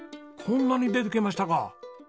こんなに出てきましたか。